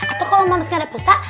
atau kalau mams gak ada pusat